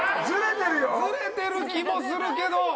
ズレてる気もするけど。